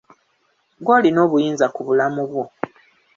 Ggwe olina obuyinza ku bulamu bwo.